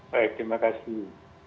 baik terima kasih